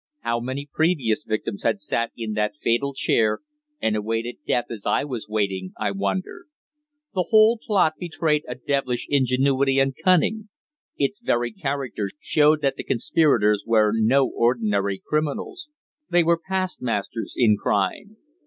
How many previous victims had sat in that fatal chair and awaited death as I was waiting, I wondered? The whole plot betrayed a devilish ingenuity and cunning. Its very character showed that the conspirators were no ordinary criminals they were past masters in crime.